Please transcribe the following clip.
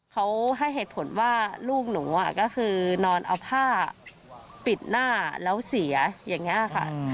เขาให้เหตุผลว่าลูกหนูก็คือนอนเอาผ้าปิดหน้าแล้วเสียอย่างนี้ค่ะ